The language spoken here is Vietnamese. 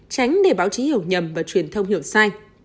tránh để báo chí hiểu nhầm và truyền thông hiểu sai